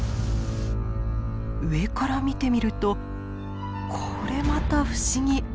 上から見てみるとこれまた不思議！